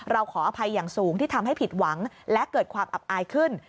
ขออภัยอย่างสูงที่ทำให้ผิดหวังและเกิดความอับอายขึ้น